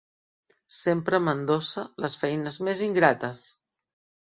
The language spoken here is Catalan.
Sempre m'endossa les feines més ingrates!